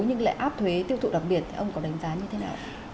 nhưng lại áp thuế tiêu thụ đặc biệt ông có đánh giá như thế nào